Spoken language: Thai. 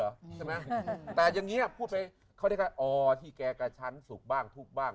ใช่ไหมแต่อย่างเงี้ยพูดไปเขาเรียกว่าอที่แกกระชั้นสุขบ้างทุกข์บ้าง